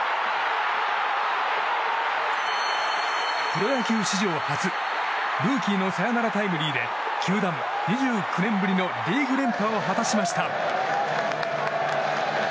プロ野球史上初、ルーキーのサヨナラタイムリーで球団２９年ぶりのリーグ連覇を果たしました。